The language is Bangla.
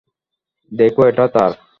দেখো এটা তার?